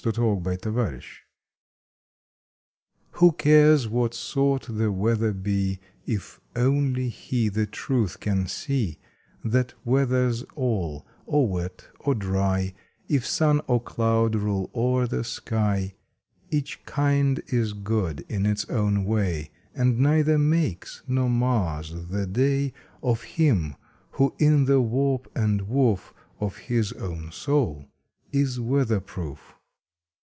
August Twenty sixth WEATHER PROOF cares what sort the weather be If only he the truth can see That weathers all, or wet or dry, If sun or cloud rule o er the sky, Each kind is good in its own way, And neither makes nor mars the day Of him who in the warp and woof Of his own soul is weather proof!